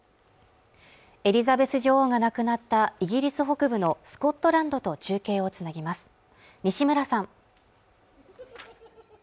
エリザベス女王が亡くなったイギリス北部のスコットランドと中継をつなぎます西村さん